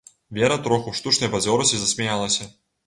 Вера троху ў штучнай бадзёрасці засмяялася.